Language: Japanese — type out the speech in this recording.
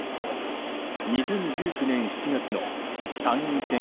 ２０１９年７月の参院選